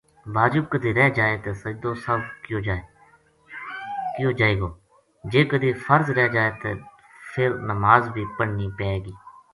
واجب کدے رہ جائے تے سجدو سہوو کیو جائے گو جے کدے فرض رہ جائے تے فر نماز بھی پڑھنی پے گی۔